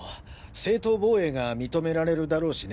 正当防衛が認められるだろうしね。